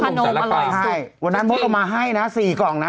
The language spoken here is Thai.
วันนั้นเมื่อกลุ่มมาให้นะสี่กล่องนะ